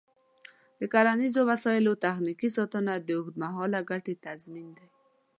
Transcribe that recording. د کرنیزو وسایلو تخنیکي ساتنه د اوږدمهاله ګټې تضمین دی.